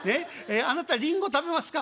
『あなたリンゴ食べますか？』。